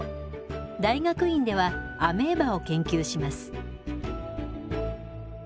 大学院ではアメーバを研究します。